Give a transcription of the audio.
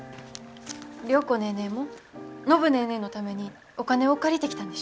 良子ネーネーも暢ネーネーのためにお金を借りてきたんでしょ？